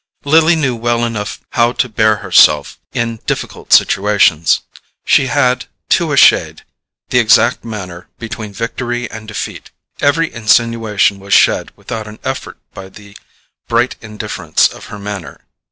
Lily knew well enough how to bear herself in difficult situations. She had, to a shade, the exact manner between victory and defeat: every insinuation was shed without an effort by the bright indifference of her manner.